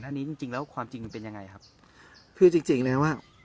อันนี้จริงจริงแล้วความจริงมันเป็นยังไงครับคือจริงจริงเลยนะว่า